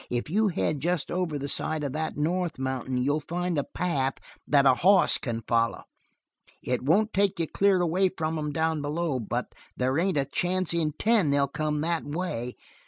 If you head just over the side of that north mountain you'll find a path that a hoss can follow. It won't take you clear away from them down below, but there ain't a chance in ten that they'll come that way.